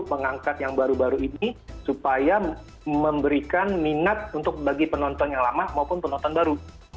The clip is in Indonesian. mengangkat yang baru baru ini supaya memberikan minat untuk bagi penonton yang lama maupun penonton baru